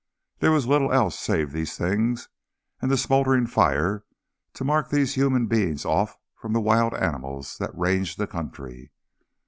There was little else save these things and the smouldering fire to mark these human beings off from the wild animals that ranged the country.